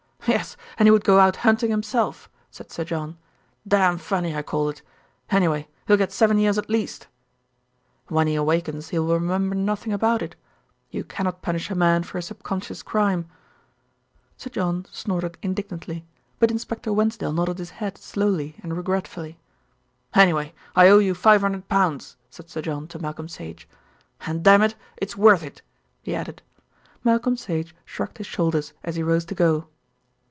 "Yes, and he would go out hunting himself," said Sir John. "Damn funny, I call it. Anyway, he'll get seven years at least." "When he awakens he will remember nothing about it. You cannot punish a man for a subconscious crime." Sir John snorted indignantly; but Inspector Wensdale nodded his head slowly and regretfully. "Anyway, I owe you five hundred pounds," said Sir John to Malcolm Sage; "and, dammit! it's worth it," he added. Malcolm Sage shrugged his shoulders as he rose to go.